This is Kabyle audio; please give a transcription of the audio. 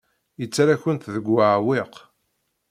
Yettarra-kent deg uɛewwiq.